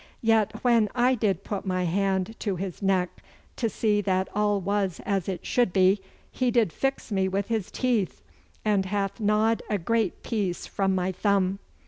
Yet when I did put my hand to his neck to see that all was as it should be, he did fix me with his teeth, and hath gnawed a great piece from my thumb.